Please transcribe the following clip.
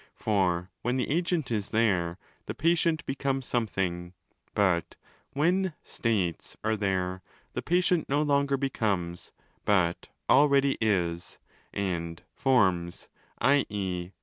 For when the agent is there, the patient decomes something: but when 'states'+ are there, the patient no longer becomes but already zs—and 'forms' (i.e.